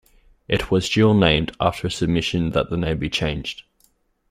It was dual-named after a submission that the name be changed.